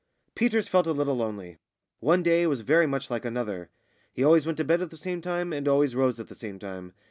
Peters felt a little lonely. One day was very much like another. He always went to bed at the same time, and always rose at the same time.